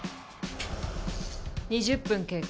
２０分経過。